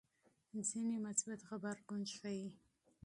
ځینې مثبت غبرګون ښيي.